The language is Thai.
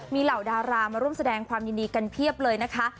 มีเหล่าดารามาร่วมแสดงความยินดีกันเพียบเลยนะคะ